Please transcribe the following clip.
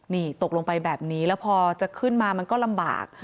นี่ตกลงไปแบบนี้แล้วพอจะขึ้นมามันก็ลำบาก